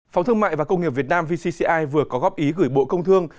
phóng thương mại và công nghiệp việt nam vcci vừa có góp ý gửi bộ công thương